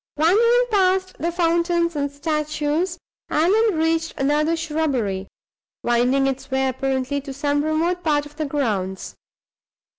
Wandering past the fountains and statues, Allan reached another shrubbery, winding its way apparently to some remote part of the grounds.